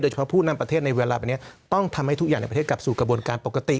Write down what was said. เฉพาะผู้นำประเทศในเวลาแบบนี้ต้องทำให้ทุกอย่างในประเทศกลับสู่กระบวนการปกติ